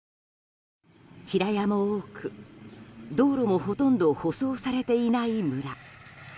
平屋も多く、道路もほとんど舗装されていない村。